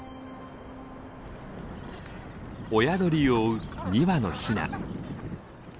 親鳥を追う２羽のヒナ。